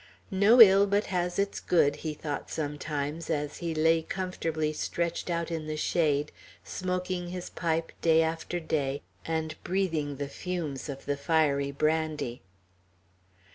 "No ill but has its good," he thought sometimes, as he lay comfortably stretched out in the shade, smoking his pipe day after day, and breathing the fumes of the fiery brandy.